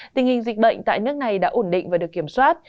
tình hình dịch bệnh tại nước này đã ổn định và được kiểm soát